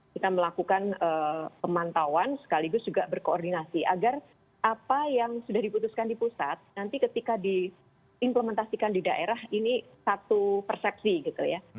kita melakukan pemantauan sekaligus juga berkoordinasi agar apa yang sudah diputuskan di pusat nanti ketika diimplementasikan di daerah ini satu persepsi gitu ya